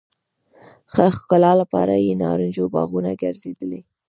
ښه ښکلا لپاره یې نارنجو باغونه ګرځېدلي.